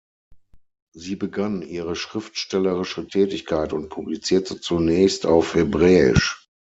Sie begann ihre schriftstellerische Tätigkeit und publizierte zunächst auf Hebräisch.